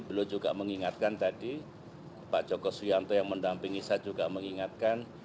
beliau juga mengingatkan tadi pak joko suyanto yang mendampingi saya juga mengingatkan